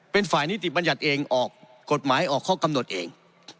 เป็นฝ่ายนิติบัญญัติเองออกกฎหมายออกข้อกำหนดเอง